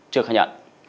chưa khai nhận